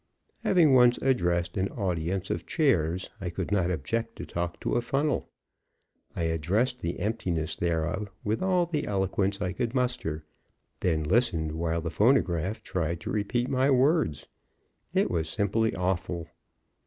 Having once addressed an audience of chairs, I could not object to talk to a funnel. I addressed the emptiness thereof with all the eloquence I could muster, then listened while the phonograph tried to repeat my words. It was simply awful.